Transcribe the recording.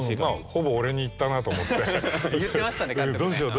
ほぼ俺に言ったなと思ってどうしよう？